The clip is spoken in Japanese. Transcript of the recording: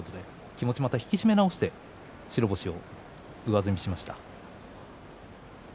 気持ちを引き締め直して白星を上積みしました。